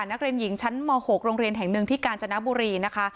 นักเรียนหญิงชั้นม๖โรงเรียนแห่งหนึ่งที่กาญจนบุรีนะคะ